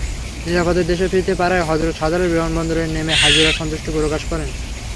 নিরাপদে দেশে ফিরতে পারায় হজরত শাহজালাল বিমানবন্দরে নেমে হাজিরা সন্তুষ্টি প্রকাশ করেন।